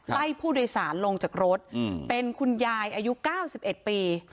ไล่ผู้โดยสารลงจากรถเป็นคุณยายอายุ๙๑ปี